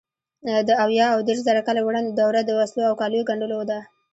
د اویا او دېرشزره کاله وړاندې دوره د وسلو او کالیو ګنډلو ده.